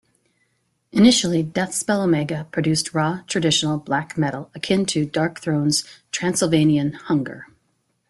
Initially, Deathspell Omega produced raw, traditional black metal akin to Darkthrone's "Transilvanian Hunger".